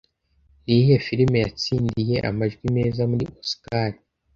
Niyihe firime yatsindiye amajwi meza muri Oscar